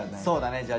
そうだね。